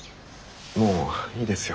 もういいですよ。